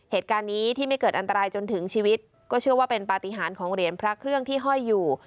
เหตุการณ์นี้ที่ไม่เกิดอันตรายจนถึงชีวิตก็เชื่อว่าเป็นปฏิหารของเหรียญพระเครื่องที่ห้อยอยู่